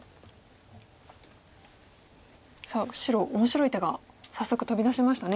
さあ白面白い手が早速飛び出しましたね。